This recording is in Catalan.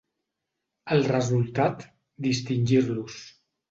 El resultat, distingir-los.